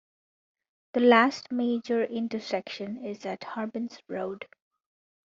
The last major intersection is at Harbins Road.